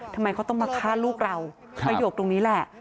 ทำไมเขาต้องมาฆ่าลูกเราประโยคตรงนี้แหละ